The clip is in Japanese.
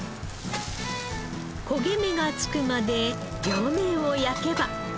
焦げ目がつくまで両面を焼けば。